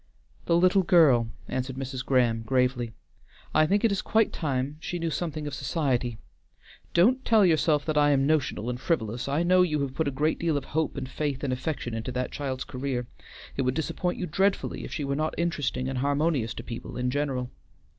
"The little girl," answered Mrs. Graham, gravely. "I think it is quite time she knew something of society. Don't tell yourself that I am notional and frivolous; I know you have put a great deal of hope and faith and affection into that child's career. It would disappoint you dreadfully if she were not interesting and harmonious to people in general.